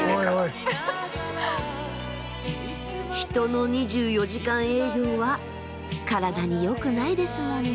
人の２４時間営業は体によくないですもんね。